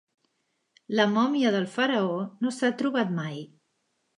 La mòmia del faraó no s'ha trobat mai.